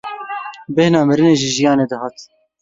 Bêhna mirinê ji jiyanê dihat.